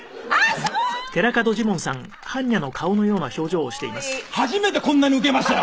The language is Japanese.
「すごい」「初めてこんなにウケましたよ」